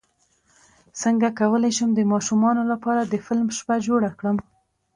څنګه کولی شم د ماشومانو لپاره د فلم شپه جوړه کړم